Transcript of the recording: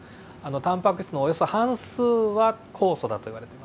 タンパク質のおよそ半数は酵素だといわれてます。